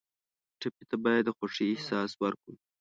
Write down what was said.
ټپي ته باید د خوښۍ احساس ورکړو.